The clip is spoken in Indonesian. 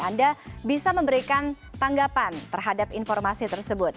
anda bisa memberikan tanggapan terhadap informasi tersebut